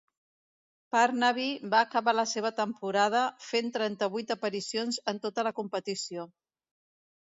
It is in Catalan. Parnaby va acabar la seva temporada, fent trenta-vuit aparicions en tota la competició.